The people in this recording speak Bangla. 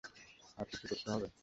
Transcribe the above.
আর কিছু করতে হবে?